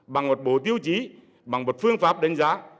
bằng một bộ tiêu chí bằng một phương pháp đánh giá